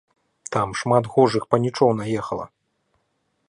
Там шмат гожых панічоў наехала.